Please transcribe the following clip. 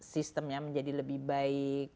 sistemnya menjadi lebih baik